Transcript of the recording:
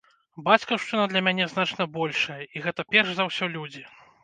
Бацькаўшчына для мяне значна большая, і гэта перш за ўсё людзі.